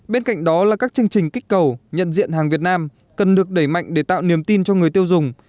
bên cạnh đó là các chương trình kích cầu nhận diện hàng việt nam cần được đẩy mạnh để tạo niềm tin cho người tiêu dùng